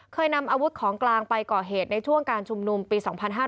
เคยนำอาวุธของกลางไปก่อเหตุในช่วงการชุมนุมปี๒๕๕๙